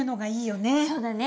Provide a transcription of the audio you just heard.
そうだね。